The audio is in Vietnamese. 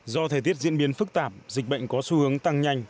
do thời tiết diễn biến phức tạp dịch bệnh có xu hướng tăng nhanh